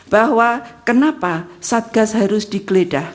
bahwa kenapa satgas harus digeledah